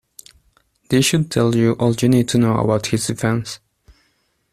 This should tell you all you need to know about his defense.